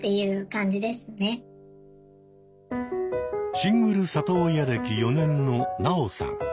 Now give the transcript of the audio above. シングル里親歴４年のナオさん。